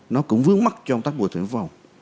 nó cũng vướng mắt cho công tác bùi thường nhà pháp bàn